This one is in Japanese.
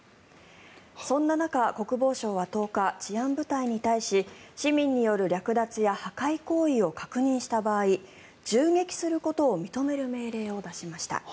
そんな中、国防省は１０日治安部隊に対し市民による略奪や破壊行為を確認した場合銃撃することを認める命令を出しました。